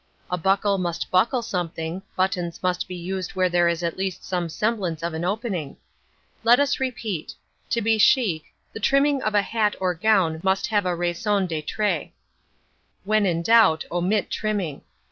A buckle must buckle something, buttons must be used where there is at least some semblance of an opening. Let us repeat: To be chic, the trimming of a hat or gown must have a raison d'être. When in doubt omit trimming.